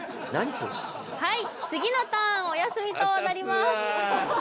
それはい次のターンお休みとなります